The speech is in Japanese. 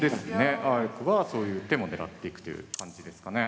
あわよくばそういう手も狙っていくという感じですかね。